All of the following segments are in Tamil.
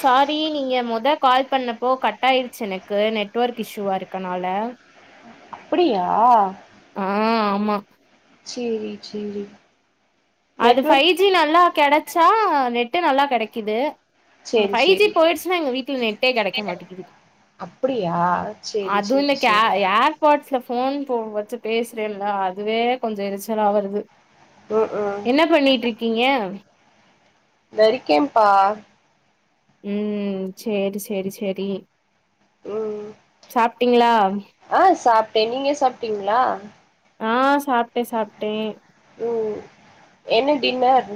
சாரி நீங்க மொத கால் பண்ணப்போ கட் ஆயிடுச்சி எனக்கு நெட்வொர்க் இஷூவா இருக்கனால அப்படியா ஆ ஆமா சேரி சேரி அது ஃபை நெட்வொர்க் ஜி நல்லா கெடச் ச்சா நெட்டு நல்லா கெடைக்குது அந்த சேரி ஃபைஜி சேரி போயிடுச்சுனா எங்க வீட்ல நெட்டே கெடைக்க மாட்டிகிது அப்டியா சேரி அதும் சேரி இன்னைக்கி ஏ சேரி ஏர்பாட்ஸ்ல போன் இப்போ வச்சி பேசுறேன் இல்ல அதுவே கொஞ்ஜோ எரிச்சலா வருது ம் ம் என்ன பண்ணிட்டு இருக்கீங்க நரிக்கேப்பா ம் செரி செரி செரி ம் சாப்ட்டிங்களா ஆ சாப்ட்டேன் நீங்க சாப்பிட்டீங்களா ஆ சாப்ட்டேன் சாப்ட்டேன் ம் என்ன டின்னர்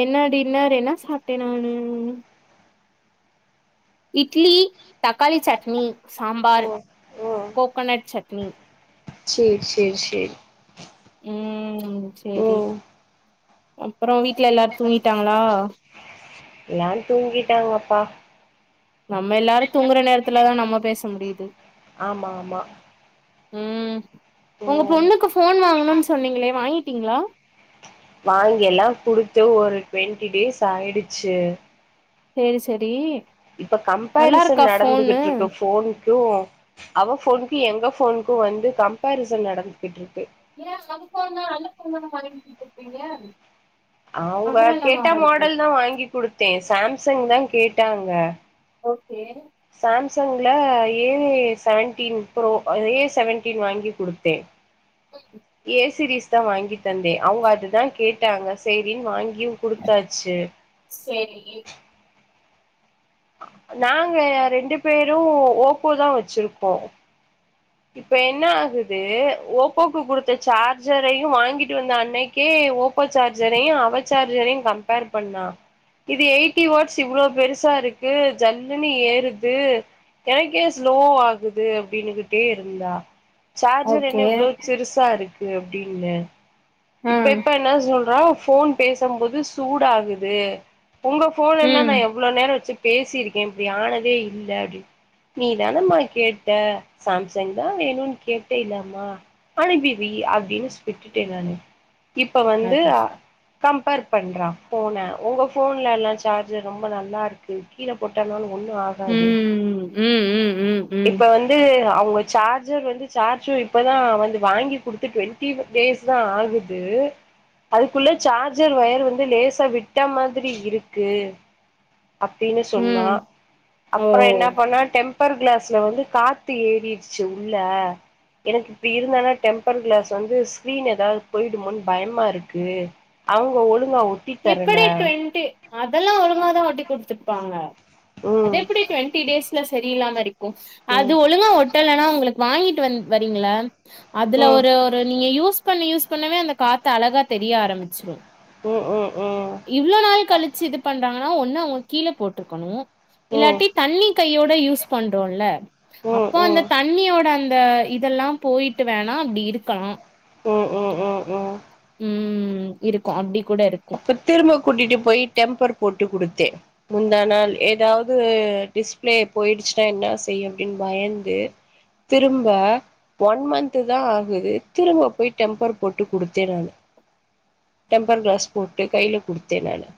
என்ன டின்னர் என்ன சாப்ட்டே நானு இட்லி தக்காளி சட்னி சாம்பார் ம் கோக்கனட் சட்னி செரி செரி செரி ம் சரி அப்புறம் வீட்ல எல்லாரும் தூங்கிட்டாங்களா எல்லாம் தூங்கிட்டாங்கப்பா நம்ம எல்லாரும் தூங்குற நேரத்துலதான் நம்ம பேச முடியுது ஆமா ஆமா ம் ஒங்க ம் பொண்ணுக்கு போன் வாங்கனுன்னு சொன்னீங்களே வாங்கிட்டீங்களா வாங்கி எல்லாம் குடுத்து ஒரு ட்வெண்ட்டி டேஸ் ஆயிடுச்சு செரி சரி இப்ப கம்பேரிசன் நடந்துகிட்டுருக்கு ஃபோன் டும் அவ போனுக்கும் எங்க போனுக்கும் வந்து கம்பேரிசன் நடந்துகிட்டுருக்கு ஏ அது ஃபோன்னா அந்த ஃபோன் தானே வாங்கி குடுத்துருப்பீங்க அவுங்க அப்புறோ என்னவா கேட்ட அவளுக்கு மாடல் தான் வாங்கி குடுத்தேன் சேம்சங் தான் கேட்டாங்க ஓகே சாம்சங்ல A seventeen bro A seventeen வாங்கி குடுத்தே. ஏ சீரிஸ் தா வாங்கி தந்தே அவுங்க அதுதா கேட்டாங்க சேரின்னு வாங் கியு குடுத்தாச்சு. சேரி நாங்க ரெண்டு பேரு ஓப்போதா வச்சிருக்கோ. இப்ப என்ன ஆகுது ஓப்போக்கு குடுத்த சார்ஜரையு வாங்கிட்டு வந்த அன்னைக்கே ஓப் போ சார்ஜரையு அவ சார்ஜரையு கம்பேர் பண்ணா. இது எயிட்டி வாட்ஸ் இவ்ளோ பெருசா இருக்கு ஜல்லுன்னு ஏறுது எனக்கு ஏ ஸ்லோ ஆகுது அப்டின்னுக் ட்டே இருந்தா சார்ஜர் ஓகே என்ன இவ்ளோ சிறுசா இருக் கு அப்டின்னு ஆ இப்ப இப்ப என்ன சொல் றோ ஃபோன் பேசும்போது சூடாகுது உங்க ஃபோன் எல்லா ம் நா எவ்ளோ நேர வச்சு பேசிருக்கே இப்டி ஆனதே இல்ல அப்டின்னு. நீதானம்மா கேட்ட சாம்சங்தா வேணுன்னு கேட்டே இல்லம்மா அனுபவி அப்டின்னு விட்டுட்டே நானு. இப்ப ம் வந்து அ கம்பேர் பண்றா ஃபோன. உங்க ஃபோன்ல எல்லா சார்ஜர் ரொம்ப நல்லா இருக்கு. கீழே போட்டனாலு ஒண்ணு ம் ஆகாது ம் ம் ம் ம் இப்ப வந்து அவ உங்க சார்ஜர் வந்து சார்ஜு இப்பதா வந்து வாங்கி குடுத்து ட்வெண்டி டேஸ்தா ஆகு து அதுக்குள்ள சார்ஜர் ஒயர் வந்து லேசா விட்ட மாதிரி இருக்கு அப்டின்னு சொன்னா. ம் அப்ற ஓ என்ன பண்ணா டெம் பர் கிளாஸ்ல வந்து காத்து ஏறிருச்சு உள்ள எனக்கு இப்டி இருந்தானா டெம்பர் கிளாஸ் வந்து ஸ்க்ரீன் எதாவது போயிடுமோன்னு பயமா இருக்கு. அவுங்க ஒழு எப்பிடி டுவெண்டி அதெல்லா ஒழுங்காதா ஒட்டி குடுத்துருப்பாங்க. அது ம் எப்படி டுவெண்ட்டி டேஸ்ல செ [unintelligible] மாரி அது ம் ஒழுங்கா ஒட்டலனா உங்களுக்கு வாங்கி ட்டு வந் வரீங்கல்ல அதுல ம் ஒரு ஒரு நீங்க யூஸ் பண்ண யூஸ் பண்ணவே அந்த காத்து அழகா தெரிய ஆரம்பிச்சிரு. ம் ம் ம் இவ்ளோ நாள் கழிச்சு இது பண்றா ன்னா ஒண்ணு அவங்க கீழ போட்ருக்கணு ம் ம் ம் இல்லாட்டி தண்ணி கையோட யூ யூஸ் பண்ணுறோம்ல அப்போ அந்த தண்ணியோட அந்த இதெல்லா போயிட்டு வேணா அப்டி இருக்கலாம் ம் ம் ம் ம் இருக்கும் அப்படி கூட இருக்கு அப்ப திரும்ப கூட்டிட்டு போய் டெம்பர் போட்டு குடுத்தே முந்தா நாள் ஏதாவது டிஸ்பிளே போயிடுச்சுன்னா என்ன செய்யு அப்டின்னு பயந்து திரும்ப ஒன் மன்த் தா ஆகுது திரும்ப போய் டெம்பர் போட்டு குடுத்தே நானு டெம்பர் கிளாஸ் போட்டு கையில கொடுத்தேன் நானு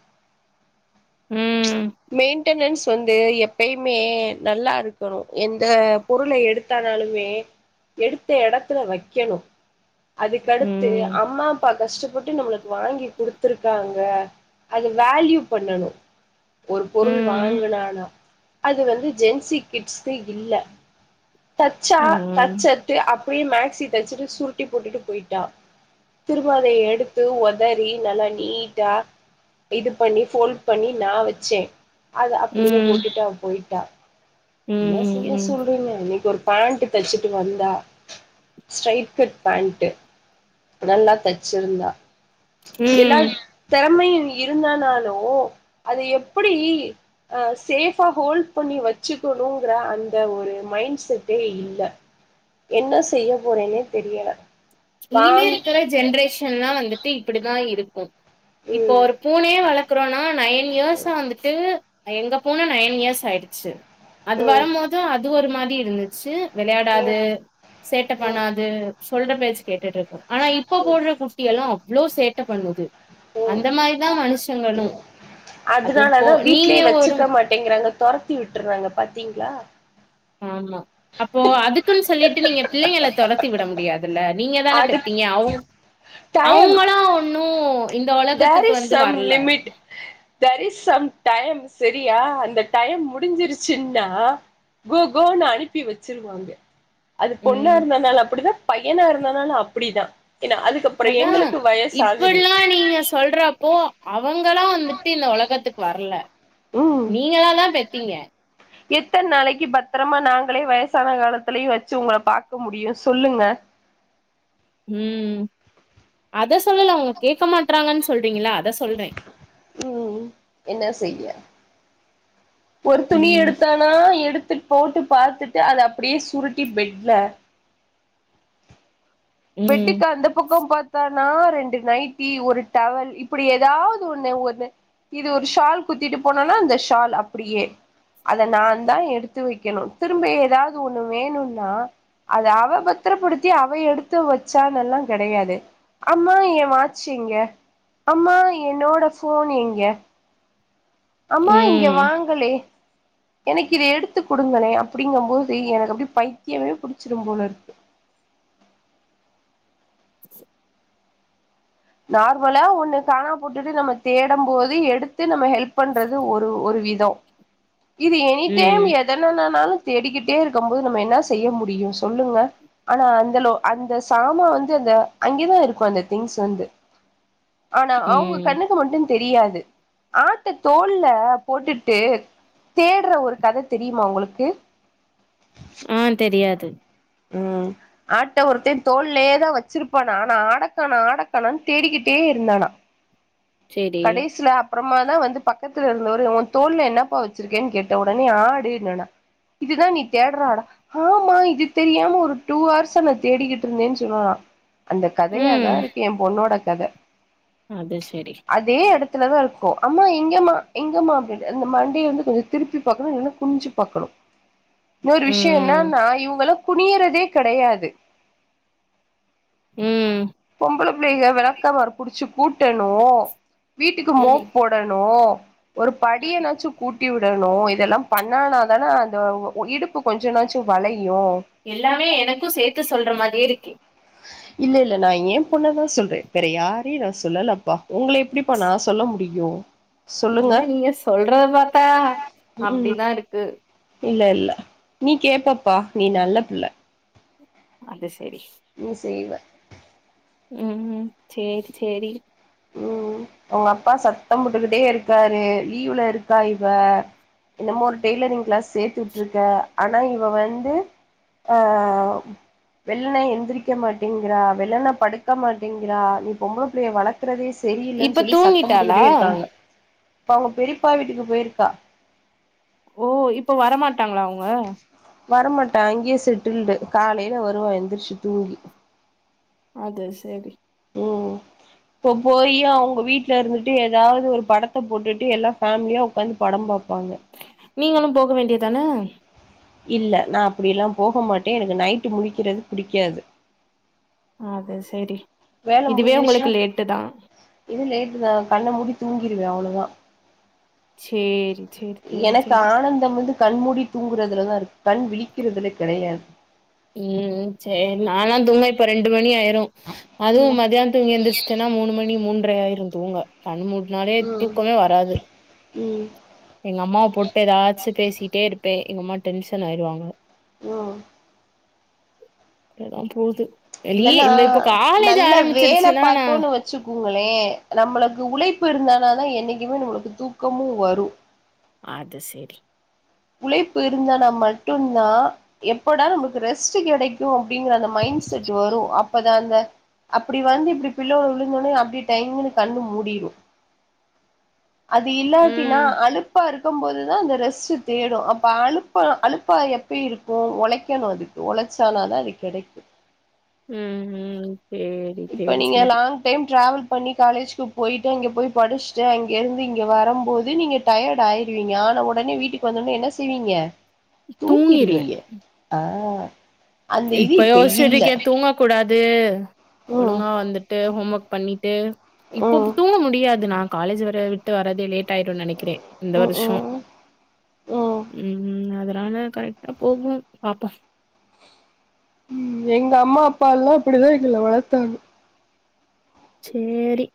ம் மெய்ண்டனன்ஸ் எப்பயுமே நல்லா இருக்கணும் எந்த பொருள எடுத்தானாலுமே எடுத்த இடத்துல வைக்கணும் அதுக்கடுத்து ம் அம்மா அப்பா கஷ்ட போட்டு நம்மளுக்கு வாங்கி கொடுத் வந்து இருக்காங்க அது வேல்யூ பண்ணணும் ஒரு பொருள் ம் வாங்கினானா அது வந்து ஜென்சி கிட்ஸ்க்கு இல்ல தச்சா ம் தச்சட்டு அப்டியே மேக்சி வச்சுட்டு சுருட்டி போட்டுட்டு போயிட்டான் திரும்ப அதை எடுத்து உதறி நல்லா நீட்டா இது பண்ணி ஃபோல் பண்ணி நா வச்சேன் அத ம் அப்டியே போட்டுட்டு அவ போய்டா ம் என்ன ம் செய்ய ம் சொல்றீங்க இன்னனிக்கு ஒரு பேண்ட் தச்சுட்டு வந்தா ஸ்ட்ரைட் கட் பேண்ட்டு நல்லா தச்சிருந்தா உம் திறம இருந்தானாலு அத எப்படி அஹ் சேஃபா ஹோல் பண்ணி வச்சுக்குணுங்ர அந்த ஒரு மைண் செட்டே இல்ல என்ன செய்ய போறேன்னே தெரியல இனிமே வாங்கி இருக்கற ஜென்ரேஷன் எல்லாம் வந்துட்டு இப்படித்தான் இருக்கும் இப்போ ம் ஒரு பூனைய வளக்றோனா நைன் இயர்ஸா வந்துட்டு எங்க பூன நைன் இயர்ஸ் ஆயிடுச்சு அது ம் வரும் போதும் அது ஒரு மாதிரி இருந்து சி [unintelligible] ம் விளையாடாது சேட்டை ம் பண்ணாது சொல்ற பேச்சி கேடுடு [unintelligible] ஆனா இப்ப போடுற குட்டி எல்லாம் இவ்ளோ சேட்ட பண்ணுது உம் அந்த மாரிதா மனுஷங்களு உம் அது போ அதனாலதா வீட்லயே நீங்க ஒரு வச்சிக்க மாட்டேங்கிறாங்க தொரத்தி விட்டுருறாங்க பாத்தீங்களா ஆமா-ஆமா அப்போ அதுக்குன்னு சொல்லிட்டு நீங்க பிள்ளைங்கள தொறத்தி விட முடியாதுல்ல நீங்க தானே அது பெத்திங்க அவுங் டைம் அவுங்களா ஒன்னு there is some limit there is some time செரியா அந்த டயம் முடிஞ்சிருச்சுன்னா கோ கோன்னு அனுப்பி வெச்சிருவாங்க அது பொண்ணா ம். இருந்தான்னால் அப்புடிதா பையனா இருந்தானாலு அப்டிதா என்னா அதுக்கப்ற அதான் எங்களுக்கு வயசாகுது இப்படிலா நீங்க சொல்றப்போ அ வங்களா வந்துட்டு இந்த ஒலகத்துக்கு வர்ல நீங்களா தா பெத்தீங்க எத்தன் நாளக்கி பத்திரமா நாங்களே வயசான காலத்திலை வச்சு உங்கள பாக்க முடியு சொல்லுங்க ம் அத சொல்லல அவுங்க கேக்க மாட்றாங்கன் சொல்றீங்கள்ல அத சொல்றே ம் என்ன செய்ய ஒரு துணி ம். எடுத்தானா எடு த்து போட்டு பாத்துட்டு அத அப்டியே சுருட்டி பெட்ல ம். பெட்டுக்கு அந்த பக்கம் பாத்தா னா ரெண்டு நைட்டி ஒரு டவல் இப்பிடி எதாவ்து ஒன்னு ஒன்னு இது ஒரு ஷால் குத்திட்டு போனொனா அந்த ஷால் அப்டியே அத நாந்தா எடுத்து வக்கணு திரும்ப எதாவ்து ஒன்னு வேணுன்னா அத அவ பத்திரப்படுத்தி அவ எடுத் த்து வச்சானல்லா கெடையாது அம்மா எ வாட்ச் எங்க அம்மா என்னோட ஃபோன் எங்க அம்மா இங்க ம். வாங்களே எனக்கு இத எடுத்து குடுங்களே அப்டிங்கம்போது எனக்கு அப்டி பைத்தியமே புடுச்சுரும் போல இருக்கு [inaudible] நார்மலா ஒன்னு காணா போட்டுட்டு நம்ம தேடம் போது எடுத்து நம்ம ஹெல் பண்றது ஒரு ஒரு விதொ இது எனி டைம் ம். எதனனனாலு தேடிக்கிட்டே இருக்கம்போது நம்ம என்னா செய்ய முடியு சொல்லுங்க ஆனா அந்தலொ அந்த சாமா வந்து அந்த அங்கெதா இருக்கு அந்த திங்ஸ் வந்து ஆனா அவுங்க ம். கண்ணுக்கு மட்டு தெரியாது ஆட்ட தோல்ல போட்டுட்டு தேட்ற ஒரு கத தெரியிமா உங்களுக்கு ம் தெரியாது ம் ஆட்ட ஒருத்தெ தோல்லயே தா வச்சுருப்பானா ஆனா ஆடக்காண ஆடக்காணன் தேடிக்கிட்டே இருந்தானா சரி. கடைசில அ ப்றமாதா வந்து பக்கத்துல இருந்தவரு ஒ தோல்ல என்னப்பா வச்சிருக்கென் கேட்ட ஒடனே ஆடுன்னானா இதுதா நீ தேட்ற ஆடா ஆமா இது தெரியாம ஒரு டூ அவர்ஸா நா தேடிக்கிட்ருந்தேன் சொல்வானா அந்த கதையா தா ம். இருக்கு எ பொண்ணோட கத அது சரி. அதே அடுத் இத்தன தா இருக்கு அம்மா இங்கேம்மா எங்கம்மா அப்டின்ட் அந்த மண்டய வந்து கொஞ்ச திருப்பி பாக்கணும் இல்லைன்னா குனிஞ்சி பார்க்கணும் இன்னொரு விஷய ம். என்னன்னா இவுங்கள குனியறதே கெடையாது ம். பொம்பள பிள்ளைங்க விளக்க மற புடிச்சு கூட்டனூ வீட்டுக்கு மோப் ம். போடணு ஒரு படிய ம். நாச்சு கூட் ட்ட விடணும் இதெல்லாம் பண்னா தானே அந்த இடுப்பு கொஞ்ச நச்சும் வளை எல்லாமே எனக்கும் சேர்த்து சொல்ற மாதிரியே இருக்கு இல்ல இல்ல நான் ஏன் பொண்ணதான் சொல்றேன் வேற யாரையும் நான் சொல்லப்பா உங்களை எப்படிப்பா நான் சொல்ல முடியும் இல்ல இல்ல நீங்க சொல்றத பார்த்தா ம் அப்படிதான் இருக்கு இல்ல இல்ல நீ கேப்பப்பா நீ நல்ல பிள்ளை அது செரி நீ செய்வ உம்ம் சரி சரி உம் அவங்க அப்பா சத்தம் போட்டுக்கிட்டே இருக்காரு லீவ்ல இருக்கா இவ என்னமா ஒரு டெய்லரிங் கிளாஸ் சேர்த்து விட்டுருக்க ஆனா இவ வந்து ஆஹ் வெள்ளன எந்திரிக்க மாட்டேங்கிறா வெள்ளண படுக்க மாட்டேங்கிறா நீ பொம்பளை பிள்ளைய வள பிரதேஷ் தெரியில்லன்னு இப்ப சொல்லி சத்தம் தூங்கிட்டாளா போட்டுக்கிட்டே இருக்காங்க இப்ப அவங்க பெரியப்பா வீட்டுக்கு போயிருக்கா ஓ இப்போ வரமாட்டாங்களா அவங்க வரமாட்டேன் அங்கேயே செட்டுல்ண்டு காலையில வருவான் எந்திரிச்சு தூங்கி அது செரி உம் இப்ப போய் அவுங்க வீட்டுல இருந்துட்டு ஏதாவது ஒரு படத்தை போட்டுட்டு எல்லா ஃபேமிலியா உட்காந்து படம் பார்ப்பாங்க நீங்களும் போக வேண்டியதுதானே இல்ல நான் அப்படி எல்லாம் போக மாட்டேன் எனக்கு நைட்டு முழிக்கிறது பிடிக்காது அது சரி இதுவே உங்களுக்கு லேட்டு தான் ஏதுவும் லேட்டு தான் கண்ண மூடி தூங்கிருவேன் அவ்ளோ தான் செரி செரி செரி செரி கண் மூடி தூங்குறதுலதான் இருக்கு கண் விழிக்கிறதுல கிடையாது உம் சரி நானாம் தூங்க இப்ப ரெண்டு மணி ஆயிரும் அதுவும் ம் மதியானம் தூங்கி எழுந்திரசுட்டேன்னாக் மூணு மணி மூன்று இரண்ரையாடும் தூங்க நிறைய ம் தூக்கமே வராது ம் எங்க அம்மாவை போட்டு ஏதாச்சு பேசிட்டே இருப்பேன் ம் இப்டிதா போது லீ இதெல்லா இந்த இப்ப காலேஜ் நல்ல வேல ஆரம்பிச்சிருச்சுன்னா நா பாத்தோன்னு வச்சுக்கோங்களே நம்மளுக்கு உழைப்பு இருந்தானாதா என்னைக்குமே நம்மளுக்கு தூக்கமு வரு அது செரி உழைப்பு இருந்தானா மட்டுந்தா எப்படா நம்மளுக்கு ரெஸ்ட் கெடைக்கு அப்டிங்கிற அந்த மைண்ட் செட் வரு அப்பதா அந்த அப்டி வந்து இப்டி பில்லோல விழுந்தோனே அப்டி டைம்முனு கண்ணு மூடிரு அது இல்லாட்டினா ம் அலுப்பா இருக்கும்போதுதா அந்த ரெஸ்ட் தேடு அப்ப அலுப்பா அலுப்பா எப்பயு இருக்கு ஒழைக்கணு அதுக்கு ஒழைச்சானாதா அது கெடைக்கு ம் ம் சேரி இப்ப சேரி நீங்க சேரி லாங் டைம் டிராவல் பண்ணி காலேஜ்க்கு போயிட்டு அங்க போய் படிச்சுட்டு அங்க இருந்து இங்க வரம்போது நீங்க டயர்ட் ஆயிருவீங்க ஆன உடனே வீட்டுக்கு வந்தோனே என்ன செய்வீங்க தூங்கிருவே தூங்கிருவீங்க ஆ அந்த இது இப்ப இப்ப யோசிச்சுட்டு இல்ல இருக்கே தூங்க கூடாது ம் ஒழுங்கா வந்துட்டு ஹோம் ஒர்க் பண்ணிட்டு இப்போ ம் தூங்க முடியாது நா காலேஜ் வர விட்டு வரதே லேட் ஆயிடுன்னு நெனைக்கிறே இந்த ம் வருஷோ ம் ம் ம் அதனால கரெக்டா போகு பாப்போ ம் எங்க அம்மா அப்பால்லா அப்டிதா எங்கள வளத்தாங்க சேரி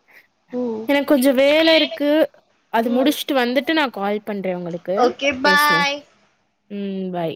ம் எனக்கு கொஞ்சோ வேல இருக்கு அது ம் முடிச்சுட்டு வந்துட்டு நா கால் பண்றே உங்களுக்கு ஓகே பேசுவோ பாய் ம் பாய்